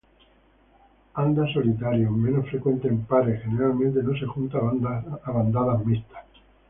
Anda solitario, menos frecuentemente en pares, generalmente no se junta a bandadas mixtas.